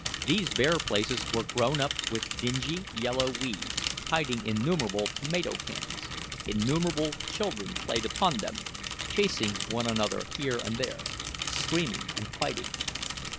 These bare places were grown up with dingy, yellow weeds, hiding innumerable tomato cans; innumerable children played upon them, chasing one another here and there, screaming and fighting.